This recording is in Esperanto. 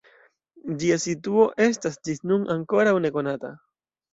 Ĝia situo estas ĝis nun ankoraŭ nekonata.